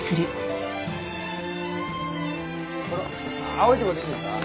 青いとこでいいんですか？